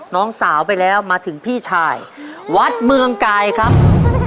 น้องสาวไปแล้วมาถึงพี่ชายวัดเมืองกายครับ